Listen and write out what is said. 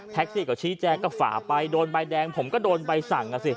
แท็กซี่กับชี้แจงก็ฝ่าไปโดนไฟแดงผมก็โดนไฟสั่ง